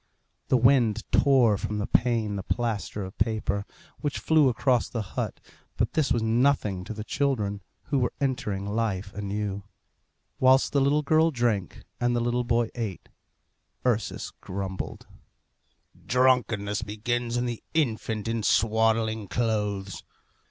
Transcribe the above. The wind tore from the pane the plaster of paper, which flew across the hut; but this was nothing to the children, who were entering life anew. Whilst the little girl drank, and the little boy ate, Ursus grumbled, "Drunkenness begins in the infant in swaddling clothes.